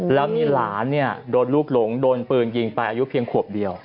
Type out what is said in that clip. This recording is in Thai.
แล้วมีหลานโดนลูกหลงโดนปืนยิงไปอายุเพียงขวบเดียว